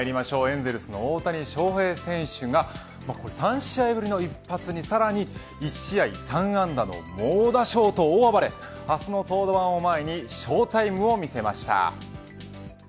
エンゼルスの大谷翔平選手が３試合ぶりの一発にさらに１試合３安打の猛打賞と大暴れ明日の登板を前にショータイムを見せました。